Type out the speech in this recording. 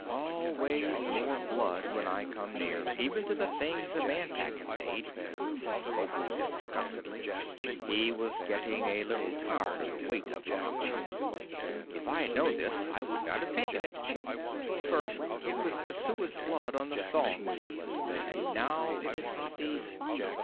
"Always more blood when I come near, even to the things the Man Pack have made," said Mowgli, disgustedly. He was getting a little tired of the weight of the ankus. "If I had known this, I would not have taken it. First it was Messua's blood on the thongs, and now it is Hathi's.